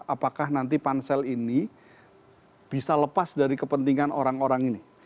apakah nanti pansel ini bisa lepas dari kepentingan orang orang ini